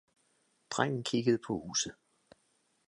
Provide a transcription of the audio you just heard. Drengen kiggede på huset.